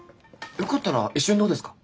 よかったら一緒にどうですか？